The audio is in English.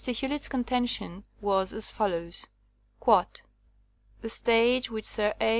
Hewlett's con tention was as follows: *'The stage which Sir A.